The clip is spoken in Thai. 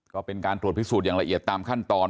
ก็เป็นการตรวจพิสูจน์อย่างละเอียดตามขั้นตอน